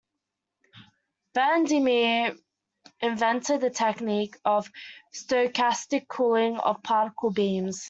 Van der Meer invented the technique of stochastic cooling of particle beams.